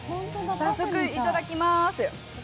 早速、いただきまーす。